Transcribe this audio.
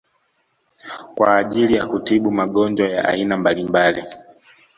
kwa ajili ya kutibu magonjwa ya aina mbalimbali